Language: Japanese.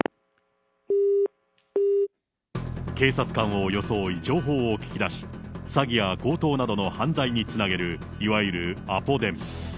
警察官を装い、情報を聞き出し、詐欺や強盗などの犯罪につなげる、いわゆるアポ電。